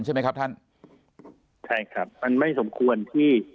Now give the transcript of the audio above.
ใช่ไหมครับใช่ค่ะคันไม่สมควรที่มี